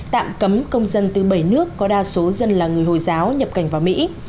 tạm cấm công dân từ bảy nước có đa số dân là người hồi giáo nhập cảnh vào mỹ